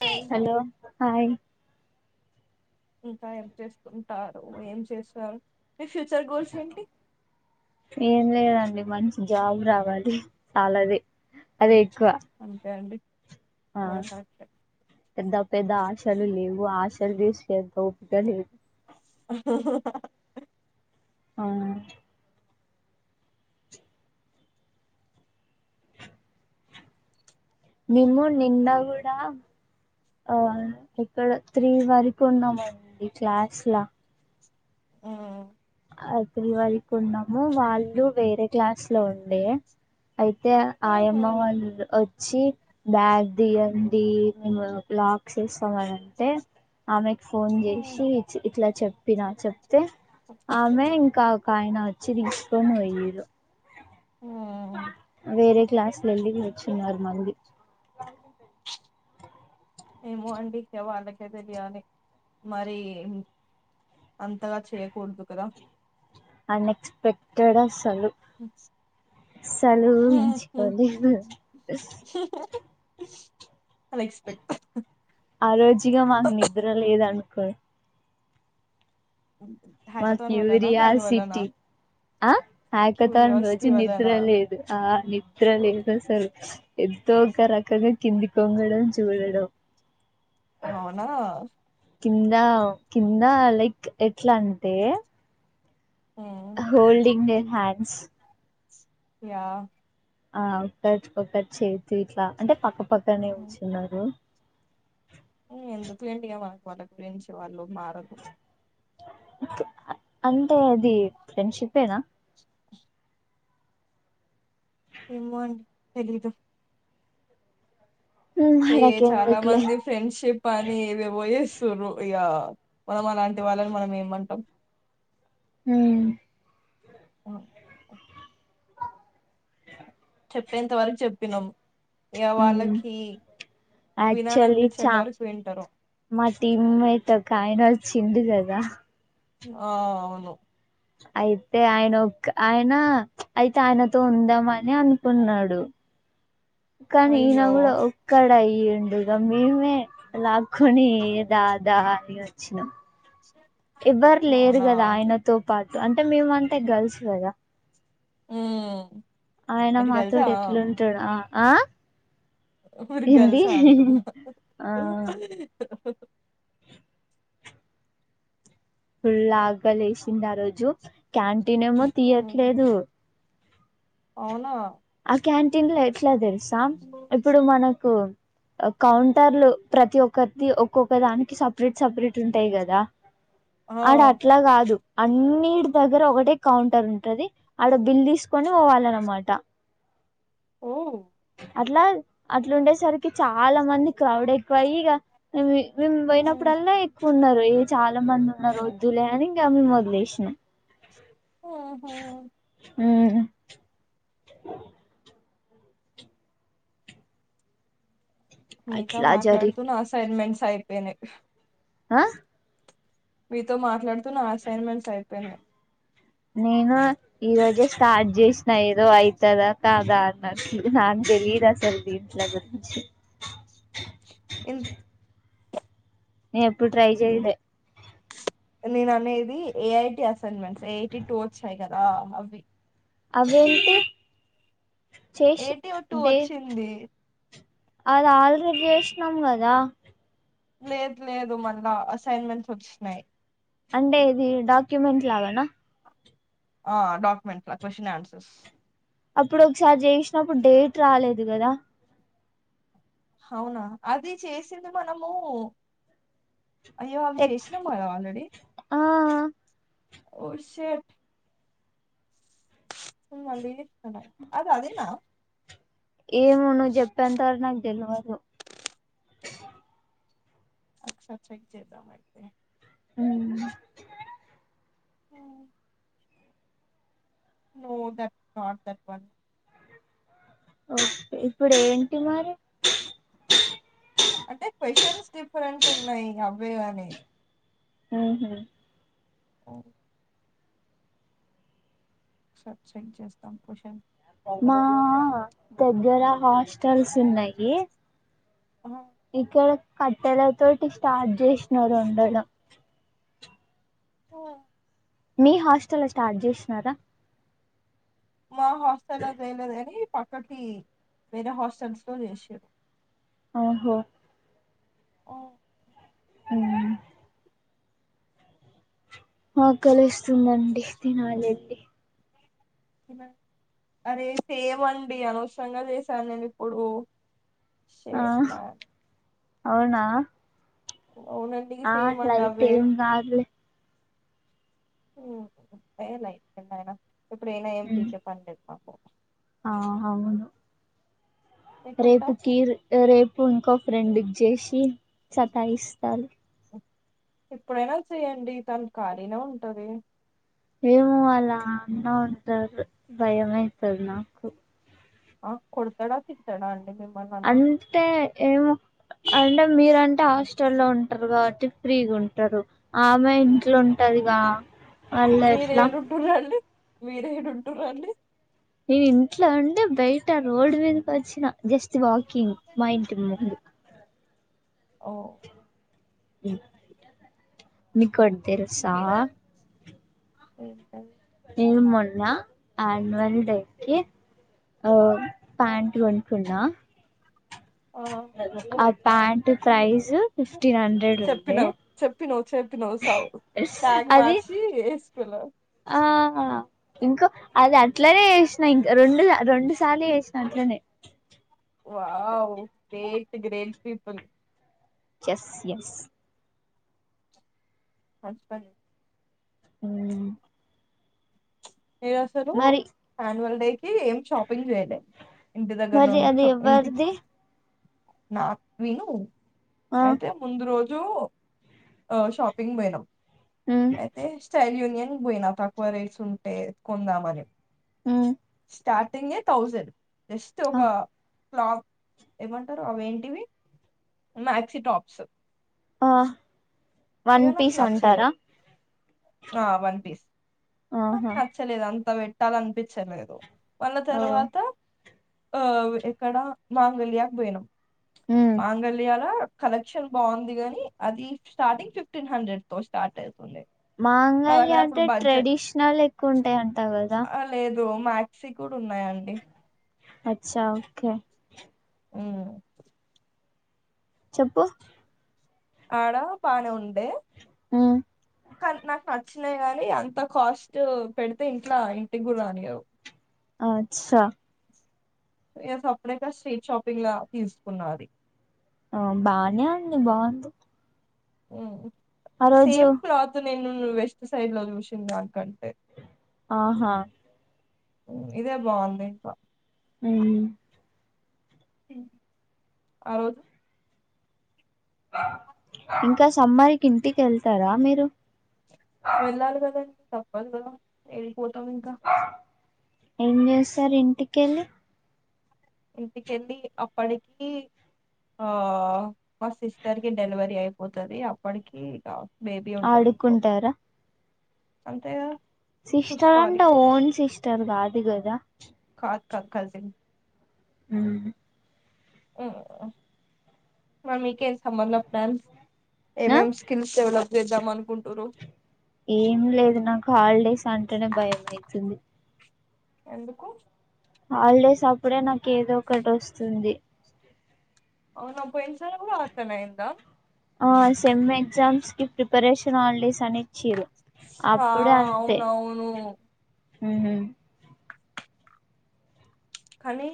Hi hello hi ఇంకా ఎంత చేస్తు ఉంటారు ఏం చేశారు మీ ఫ్యూచర్ గోల్స్ ఏంటి ఏం లేదండి మంచి జాబ్ రావాలి చాలాదే అ అంతే అండి ఆ కూడా కరెక్టే పెద్ద పెద్ద ఆశలు లేవు ఆశలు జూస్ పెద్ద ఊపూతంది [unintelligible] ఆవునా మేము నిన్న కూడా ఆ ఇక్కడ త్రీ వరకు ఉన్నాము అండి క్లాస్లా ఓ అకరి వరకు ఉన్నాము వాళ్ళు వేరే క్లాస్ లో ఉండే అయితే ఆయమ్మ వాళ్లు ఓద్ క్షి బ్యాగ్ దియ్యఅండి మేము లాక్ చేస్తామనింటే ఆమె ఫోన్ చేసి ఇట్లా చె చెప్పిన చెప్తే స ఆమె ఇంకా ఒక ఆయన వచ్చి తీసుకొని ఒయిరు ఆ వేరే క్లాసులు వెళ్ళి వచ్చున్నారు మంది ఏమో అండి ఇకే వాళ్ళకే తెలియాలి మరి అంతగా చేయకూడదు కదా అన్ఎక్స్పెక్టెడ్ తలు సెలువు ఉంచుకోండి అల ఎక్స్పెక్ట్ కొ మా హ్యాకథాన్ వల్లనా దాని వల్లనా క్యూరియాసిటీ ఆ కతన్ క్యూరియాసిటీ రోజు నిద్ర వల్లనా లేదు ఆ నిద్ర లేదు అసలు ఎంతో ఒక రకంగా కింది కొంగడం చూడడం అవునా కింద కింద లైక్ ఎట్ల అంటే మ్మ్. హోల్డింగు హ్యాండ్స్ యా ఆ ఒతచ్చు ఒతచ్చు సీట్లా అంటే పక్కపక్కనే కూర్చున్నారు ఊ ఎందుకు లేండి ఇగ వాల్ వాళ్ళ గురించి వాళ్ళు మారరు అంటే అది ఫ్రెండ్షిప్ ఏ నా ఏమో అండి తెలీదు ఉమ్, చే చాలా మనకెందుకులే మంది ఫ్రెండ్షిప్ అని ఏవేవో యస్ తిను ఇగా మనం అలాంటి వాళ్ళని మనం ఏమంటాం ఊ అఓ చెప్పేంత వరకు చెప్పినం ఊ ఆక్చులీ వినాలనిపించేంత చా వరకు వింటారు మా సిన్మాతే ఒకాయనా చిందు లే దా ఆహ్ అవును అయితే ఆయన ఒక్ ఆయన అయితే. ఆయనతో ఉందామని అనుకున్నాడు. కానీ ఈన అయ్యో కూడా ఒక్కడయి. ఈ ఉండుగా మేమే లాక్కొని దాదా అని వచ్చినాం. ఎవరు లేరు అవునా గాదా ఆయనతో పాట్ అంటే మేము అంటే గర్ల్స్ కదా ఓహ్ ఆయన మాతోటి ఎట్లుంటాడ్. ఆ ఆ పూరి ఏంది గేల్స అంటుడు ఆ ఫుల్లా ఆగాలేసింది ఆ రోజు క్యాంటీన్ ఏమో ఉమ్, తీయట్లేదు. అవునా ఆ క్యాంటిన్ లైట్ ట్లా దేల్సా ఇప్పుడు మనకు కౌంటర్లు ప్రతి ఒక్కతి ఒక్కొక్క దానికి సప్రేట్ సప్రేట్ ఉంటాయి గదా. ఆ ఆడ అట్లా గాదు. అన్నిటి దగ్గర ఒకటే కౌంటర్ ఉంటది. ఆడ బిల్ తీసుకొని పోవాళ్ళ అన్నమాట. ఓ అట్లా అట్లూండేసరికి చాలా మంది. క్రౌడ్ ఎక్కువ అయి ఇగ మేము మ్మ్ పోయినప్పుడల్లా ఎక్కువ ఉన్నారు. ఏ చాలా మంది ఉన్నారు వద్దులే అని ఇక మేము వదిలేసినం. మ్మ్ హ్మ్ ఉహ్ హా చెప్పా మీతో అట్లా జరిగి మాట్లాడుతూ నా అసైన్మెంట్స్ అయిపోయినై ఆహ్ మీతో మాట్లాడుతూ నా అసైన్మెంట్స్ అయిపోయినై నేను ఈరోజే స్టార్ట్ చేసిన ఏదో అయితదా కాదా అన్నట్లు. నాక్ తెలిదు అసల్ దీంట్ల గురించి. ఎందుక్ నే ఎప్పుడు ట్రై చేయలే నేన అనేది A. I. T assignments, A. I. T two వచ్చాయ్ గాదా అవ్వి. అవేంటి చేషి ఏఐటి టూ డే వచ్చింది అది ఆల్రెడీ చేసినాం గాదా. లేదు లేదు మళ్ళా అసైన్మెంట్స్ వచ్చినాయి అంటే ఇది డాక్యుమెంట్ లాగానా ఆ డాక్యుమెంట్స్ క్వశ్న్ ఆన్సర్స్ అప్పుడు ఒకసారి చేసినప్పుడు డేట్ రాలేదు కదా అవునా అది చేసింది మనము అయ్యో అవి టెక్ చేసినామో ఆల్రెడీ ఆ ఓ షట్ ఉమ్ వాంటా చెస్టునా అద అద అదేనా ఏము నువ్వు చెప్పాంతారు నాకు తెలియదు అచ్చ అచ్చ ఇ చేద్ద మతే ఉమ్ ఆ more that not that one okay ఇప్పుడు ఏంటి మరి అంటే క్వశ్చన్స్ డిఫరెంట్ ఉన్నాయి. అవే గాని ఉహ్ హు ఓహ్ సర్చింగ్ చేస్తాం. క్వాషన్ మా దగ్గర హాస్టల్స్ ఉన్నాయి. ఇక్కడ కట్టెల తోటి స్టార్ట్ చేసిన రెండల ఓ మీ హాస్టల్ స్టార్ట్ చేసన్నారా మా హాస్టల్ చేయలేదు కాని పక్కకి వేరే హాస్టల్స్ లో చేసారు ఆహో ఓ ఉమ్ ఆకలుస్తుందండి తినాల అండీ అరేతేవండి అనవసరంగా చేశాను నేను ఇప్పుడు ఆ శేట్ మ్యా అవునా అవునండి ఆ లైట్ ఏంగా ఆలీ ఉమ్ ఏలయి ఎంటనా ఇపుడైనా ఎమ్ మ్ పైక్ పానీ లేధు ఆ అవును మీకుంటా రేపు కర్ రేపు ఇంకో ఫ్రెండ్ జేసి సత ఇస్త తారు ఎప్పుడైనా చేయ్యడి తన ఖాళీనా ఉంటది ఏమో అలా అన్న ఉంటారు భయ అవుతుంది నాకు ఆ కొతడా తితాడా అండి మిమ్మల్ని అంతే ఎమో అండీ మీరుంటే అన్న హాస్టల్ల్లో ఉంటారు కాబట్టి ఫ్రీగా ఉంటారు ఆమెయి ఇంట్లో ఉంటదిగా మళ్ళ మీరే ఎట్లా ఎడాంటన్‌రాండి మీరే ఎడాంటన్‌రాండి ఇ ఇంట్లో ఉండు బయట రోడ్డు మీదకి వచ్చిన జస్ట్ వాకింగ్ మా ఇంటి ముందు ఓ ఉమ్ మీ ఒకటి తెలుసా ఉ టిమ్ ఈ మొన్న ఆన్వల్ డేకి ఆ ఆ పాయాంట్ కొనుకునా ఆ అ ప్యాంట్ ప్రైజ్ ఫిఫ్టీన్ హండ్రెడ్ ఉండె చెప్పిన్ సవు ట్యాగ్ మార్చి కులో ఆ ఇంకో అది అట్లనే చేసినా ఇం రెండు రెండు సార్లు చేసినా అట్లనే వావ్ గ్రేట్ గ్రేట్ పీపుల్ చెస్ ఎస్ అస్ప్పడి ఉమ్ ఏసారు ఆయాన్యువల్ డే కి ఏం షాపింగ్ చేయలేడి ఇంటి దగ్గర ను మరి అది ఇంటికి ఎవరిది నక్ విను ఆ అయితే ముందు రోజు జో షాపింగ్ పొయినం ఉమ్ అయితే స్టైల్ యునియన్ పోయినా తకువ ప్రిస్ ట్టే ఎత్కుందామని ఉమ్ స్టార్టింగ్ థౌజండ్ జస్ట్ ఆ ఒకా క్లబ్ ఏమంటారు అవి ఏంటివి మాక్సీ టోప్స్ ఆ ఏ వన్ నక్ పీస్ నచాలే అంటారా ఆ వన్ పస్ నా నక్ ఆహా నచ్చలేదా ఎంత పెట్టాల అనిపించలేదు వాళ్ళ ఓ తర్వాత ఆ ఎక్కడ మాంగళ్యాకు పోయినాం ఉమ్ మాంగళ్యాల కలెక్షన్ బాగుంది గాని అది స్టార్టింగ్ ఫిఫ్టీన్ హండ్రెడ్ తో స్టార్ట్ అవుతుండే మాంగల్య అంటే ట్రెడిషన్ క్షణలు ఎక్కువ ఉంటాయి అంటావ కదా ఏదో మక్సీ కూడా ఉన్నాయంండి అచ్చా ఓకే ఉమ్ చెప్పు ఆడా బానే ఉండె ఆ కానీ నాకు నచ్చినాయి గానీ అంత కాస్ట్ పెడితే ఇంట్లా ఇంటికి గుడా రానియరు అచ్చా నేను సపరేట్ గా స్ట్రీట్ షాపింగ్ లో తీసుకున్నది ఆ బానే అంది బాగుంది ఉమ్ ఆ రోజు సేమ్ క్లాత్ లు నేను వెస్ట్ సైడ్ లో చూషిన దానికంటే ఆహా ఇదే బాగుంది ఇంకా అమ్ ఆ రోజు ఇంకా సమ్మారికి ఇంటికి వెళ్తారా మీరు వెళ్ళాలి కదా తప్పదు కదా ఏ పోతాం ఇంకా ఏం చేస్తారు ఇంటికెళ్ళి ఇంటికెళ్ళి అప్పటికి ఆ మా సిస్టర్ కి డెలివరీ అయిపోతది అప్పటికి ఆడుకుంటారా అంటే సిస్టర్ అంటే ఓన్ సిస్టర్ కాదు దిగదా క క కజిన్ అమ్ మమ్మీకి సంబంధం లాన్స్ ఏం ఆ ఏం స్కిల్స్ డెవలప్ చేద్దాం అనుకుంటురు ఏం లేదు నాకు హాలిడేస్ అంటేనే భయం అయితుంది ఎందుకు హాలిడేస్ అప్పుడే నాకు ఏదో ఒకటి వస్తుంది అవునా పోయినసార్ కూడా అట్లనే అయ్యిందా ఆ సెమ్మే ఎగ్జామ్స్ కి ప్రిపరేష రాళ్ళేసని చీరు ఆ అప్పుడు అంతే అవునవును ఉహూ కానీ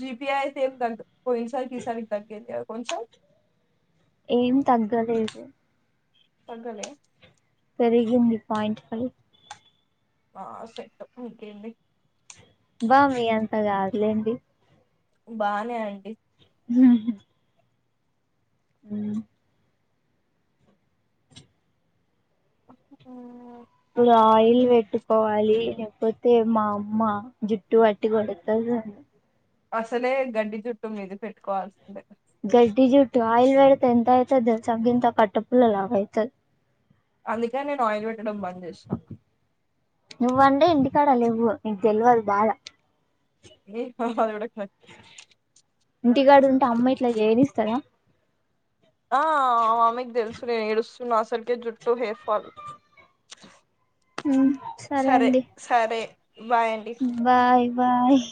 జిపిఐ స ఏమ్ కంట్ పో ఈ సారికి ఈసారికి తగ్గేది కాదు కొంచం ఏం తగ్గలేదు తగ్గలే పెరిగింది పాయింట్ పాయింట్ ఫైవ్ ఆ సెట్ప్పకేంది బా మీ అంత కాదులేండి బానే అండి హ ఉం ఉం ఇప్పుడు ఆయిల్ పెట్టుకోవాలి లేకపోతే మా అమ్మ జుట్టు పట్టి కొడతది అసలే గడ్డి చుట్టు మీది పెట్టుకోవాల్సిందే గడ్డిజుట్టు ఆయిల్ పెడితే ఎంత అయితది దే చగింత కట్టపుల వాయతే అందుకని నేను ఆయిల్ పెట్టడం బంద్ చేసినా నువ్వంటే ఇంటికాడ లేవ్వు నీకు తెలవదు బాద ఏ నాది కూడా కరెక్ట్ ఇంటికాడ ఉంటే అమ్మ ఇట్లా చేయనిస్తాదా ఆ మా మమ్మి కి తెలుసు నేను ఏడుస్ నా అసల్కే జుటు హెర్ ఫాల్ ఆ సరే అండి బాయ్ అండి బాయ్ బాయ్